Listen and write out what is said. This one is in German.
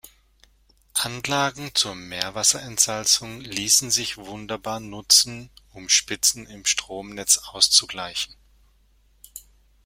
Anlagen zur Meerwasserentsalzung ließen sich wunderbar nutzen, um Spitzen im Stromnetz auszugleichen.